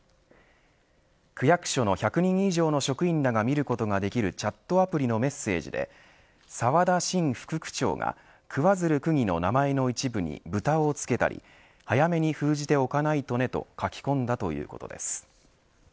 区役所の１００人以上の職員らが見ることができるチャットアプリのメッセージで澤田伸副区長が桑水流区議の名前の一部にブタを付けたり早めに封じておかないとねと書き込んだということです。